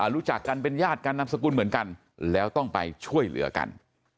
รู้จักกันเป็นญาติกันนามสกุลเหมือนกันแล้วต้องไปช่วยเหลือกัน